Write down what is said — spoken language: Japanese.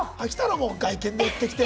もう外見で寄ってきて。